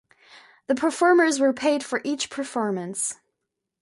The performers were paid for each performance.